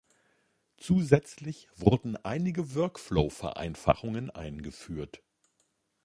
Zusätzlich wurden einige Workflow-Vereinfachungen eingeführt.